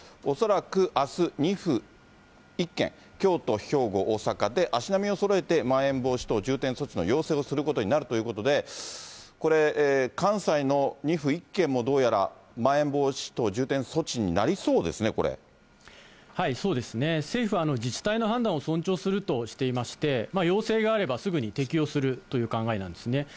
おそらくあす２府１県、京都、兵庫、大阪で、足並みをそろえてまん延防止等重点措置の要請をすることになるということで、これ、関西の２府１県もどうやらまん延防止等重点措置になりそうですね、そうですね、政府は自治体の判断を尊重するとしていまして、要請があれば、すぐに適用するという考えなんですね。